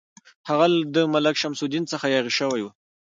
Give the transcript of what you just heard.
هغه د ملک شمس الدین څخه یاغي شوی وو.